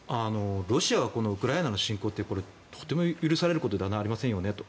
ロシアはこのウクライナの侵攻ってこれ、とても許されることではありませんよねと。